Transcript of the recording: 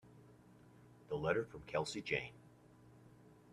The letter from Kelsey Jane.